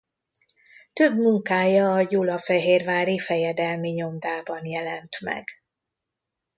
Több munkája a gyulafehérvári fejedelmi nyomdában jelent meg.